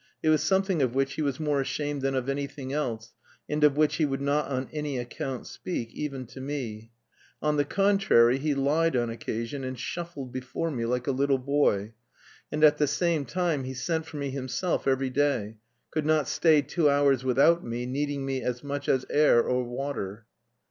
It was something of which he was more ashamed than of anything else, and of which he would not on any account speak, even to me; on the contrary, he lied on occasion, and shuffled before me like a little boy; and at the same time he sent for me himself every day, could not stay two hours without me, needing me as much as air or water.